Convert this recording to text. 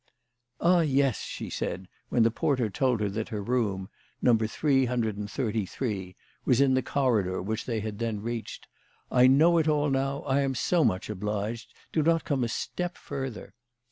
" Ah, yes/' she said, when the porter told her that her room, No. 333, was in the corridor which they had then reached, "I know it all now. I am so much obliged. Do not come a step further.